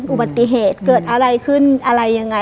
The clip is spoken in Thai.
อุบัติเหตุเกิดอะไรขึ้นอะไรยังไง